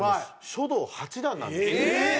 書道八段なんですよ。えっ！